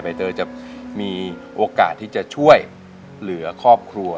เตอร์จะมีโอกาสที่จะช่วยเหลือครอบครัว